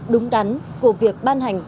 đúng đắn của việc ban hành